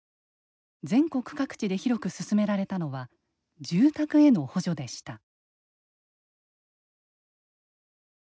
全国各地で広く進められたのは住宅への補助でした。